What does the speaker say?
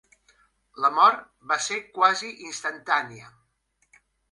La mort va ser quasi instantània.